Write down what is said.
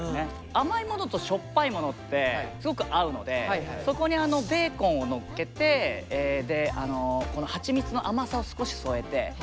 甘いものとしょっぱいものってすごく合うのでそこにベーコンをのっけてでこのはちみつの甘さを少し添えて。